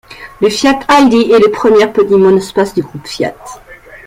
Le Fiat Idea est le premier petit monospace du groupe Fiat.